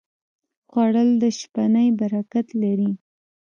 خوړل د شپهنۍ برکت لري